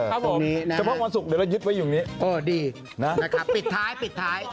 ครับผมเฉพาะวันศุกร์เดี๋ยวเรายึดไว้อยู่อย่างนี้เออดีนะครับปิดท้ายปิดท้าย